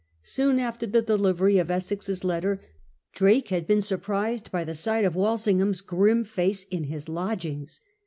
Soon after the delivery of Essex's letter, Drake had been surprised by the sight of Walsingham's grim face in his lodgings.